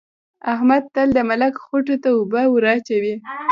احمد تل د ملک خوټو ته اوبه وراچوي.